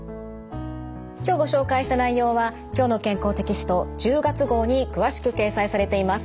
今日ご紹介した内容は「きょうの健康」テキスト１０月号に詳しく掲載されています。